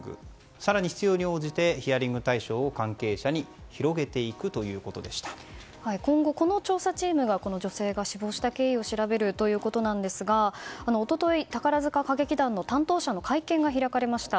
更に必要に応じてヒアリング対象を関係者に今後この調査チームが女性が死亡した経緯を調べるということですが一昨日、宝塚歌劇団の担当者の会見が開かれました。